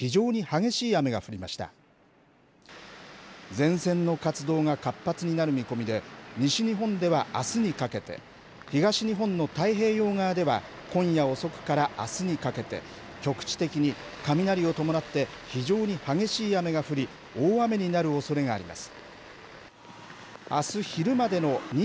前線の活動が活発になる見込みで西日本では、あすにかけて東日本の太平洋側では今夜遅くからあすにかけて局地的に雷を伴って非常に激しい雨が降り大雨になるおそれがあります。